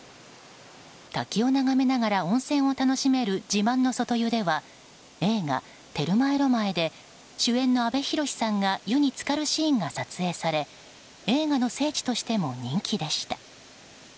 滝を眺めながら温泉を楽しめる自慢の外湯では映画「テルマエ・ロマエ」で主演の阿部寛さんが湯に浸かるシーンが撮影され映画の聖地としても人気でした。